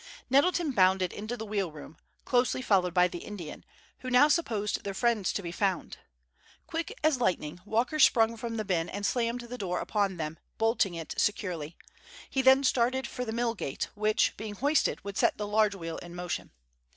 Nettleton bounded into the wheel room, closely followed by the Indian, who now supposed their friends to be found. Quick as lightning Walker sprung from the bin, and slammed the door upon them, bolting it securely. He then started for the mill gate, which, being hoisted, would set the large wheel in motion.